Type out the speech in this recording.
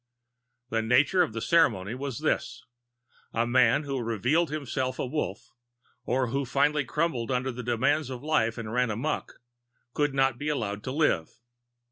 The nature of the ceremony was this: A man who revealed himself Wolf, or who finally crumbled under the demands of life and ran amok, could not be allowed to live.